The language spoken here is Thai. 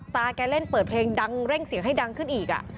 แกเล่นเปิดเพลงดังเร่งเสียงให้ดังขึ้นอีก